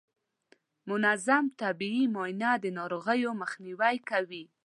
منظم طبي معاینه د ناروغیو مخنیوی کوي.